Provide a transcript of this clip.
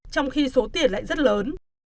trong khi số tiền lại rất lớn